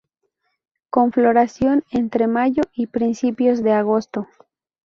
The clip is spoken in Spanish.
Con floración entre mayo y principios de agosto.